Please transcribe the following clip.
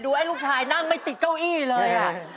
ไอ้ลูกชายนั่งไม่ติดเก้าอี้เลย